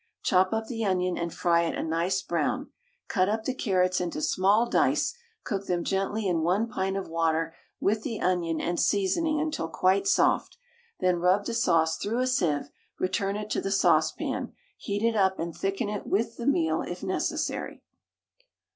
Chop up the onion and fry it a nice brown; cut up the carrots into small dice, cook them gently in 1 pint of water with the onion and seasoning until quite soft; then rub the sauce through a sieve, return it to the saucepan, heat it up and thicken it with the meal, if necessary.